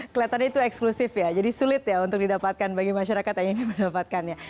kelihatannya itu eksklusif ya jadi sulit ya untuk didapatkan bagi masyarakat yang ingin mendapatkannya